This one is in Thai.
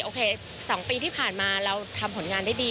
โอเค๒ปีที่ผ่านมาเราทำผลงานได้ดี